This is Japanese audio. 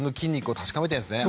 確かめになってるんですかね